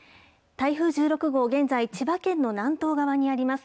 台風１６号、現在、千葉県の南東側にあります。